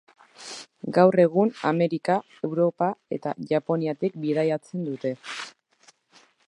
Gaur egun Amerika, Europa eta Japoniatik bidaiatzen dute.